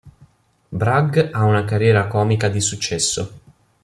Bragg ha una carriera comica di successo.